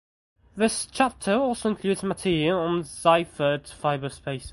This chapter also includes material on Seifert fiber spaces.